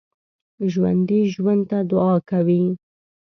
ژوندي ژوند ته دعا کوي